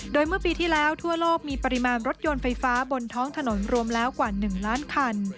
โดยเมื่อปีที่แล้วทั่วโลกมีปริมาณรถยนต์ไฟฟ้าบนท้องถนนรวมแล้วกว่า๑ล้านคัน